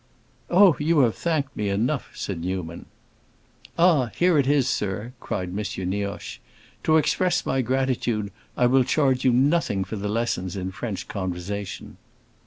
"Oh, you have thanked me enough," said Newman. "Ah, here it is, sir!" cried M. Nioche. "To express my gratitude, I will charge you nothing for the lessons in French conversation."